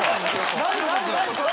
何？